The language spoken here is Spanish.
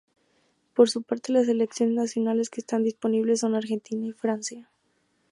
Por su parte, las selecciones nacionales que están disponibles son Argentina y Francia.